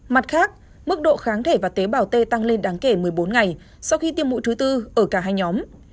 mặt khác mức độ kháng thể và tế bào t tăng lên đáng kể một mươi bốn ngày sau khi tiêm mũi thứ tư ở cả hai nhóm